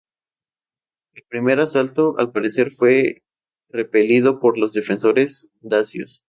El primer asalto al parecer fue repelido por los defensores dacios.